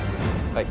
はい。